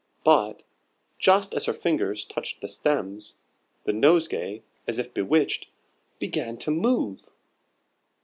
But, just as her fingers touched the stems, the nosegay, as if bewitched, began to move.